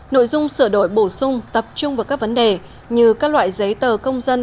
nội dung sửa đổi bổ sung tập trung vào các vấn đề như các loại giấy tờ công dân